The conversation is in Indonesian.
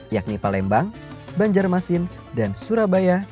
yakni palembang banjarmasin dan surabaya